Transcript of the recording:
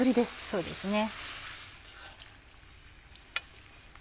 そうですね。